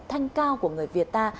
thanh cao của người việt ta